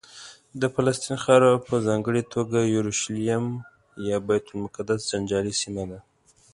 د فلسطین خاوره په ځانګړې توګه یورشلیم یا بیت المقدس جنجالي سیمه ده.